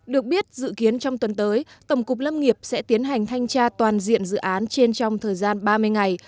được biết dự kiến trong tuần tới tổng cục lâm nghiệp sẽ tiến hành thanh tra toàn diện dự án trên trong thời gian ba mươi ngày